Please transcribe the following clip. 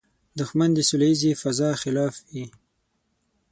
دښمن د سولیزې فضا خلاف وي